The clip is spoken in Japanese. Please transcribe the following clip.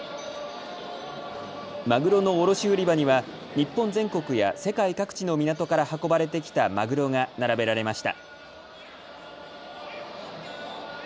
マグロの卸売り場には日本全国や世界各地の港から運ばれてきたマグロが並べられました。